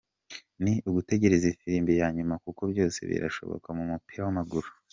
Ni ugutegereza ifirimbi ya nyuma kuko byose birashoboka mu mupira w’amaguru.